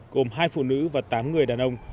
cùng hai phụ nữ và tám người đàn ông